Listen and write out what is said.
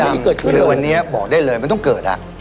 ที่เกิดขึ้นคือวันนี้บอกได้เลยมันต้องเกิดอ่ะ